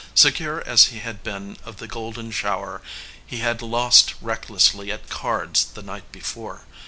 Secure as he had been of the golden shower, he had lost recklessly at cards the night before.